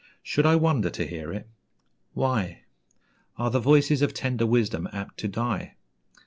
Should I wonder to hear it? Why? Are the voices of tender wisdom apt to die?